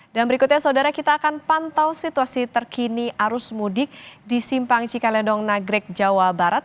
dan berikutnya saudara kita akan pantau situasi terkini arus mudik di simpang cikalendong nagrek jawa barat